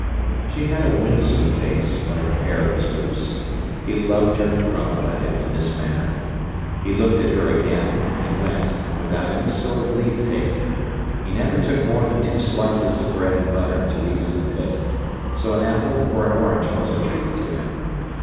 She had a winsome face when her hair was loose. He loved her to grumble at him in this manner. He looked at her again, and went, without any sort of leave taking. He never took more than two slices of bread and butter to eat in the pit, so an apple or an orange was a treat to him.